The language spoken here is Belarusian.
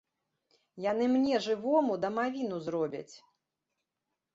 Яны мне жывому, дамавіну зробяць!